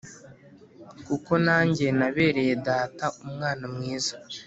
Kuko nanjye nabereye data umwana mwiza